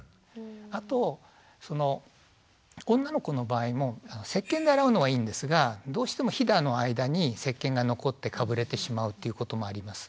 あと女の子の場合もせっけんで洗うのはいいんですがどうしてもひだの間にせっけんが残ってかぶれてしまうっていうこともあります。